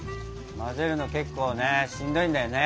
混ぜるの結構ねしんどいんだよね。